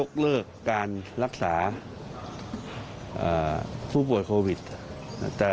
ขอเลื่อนสิ่งที่คุณหนูรู้สึก